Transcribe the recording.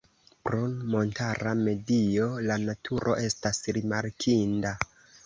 Pro montara medio la naturo estas rimarkinda.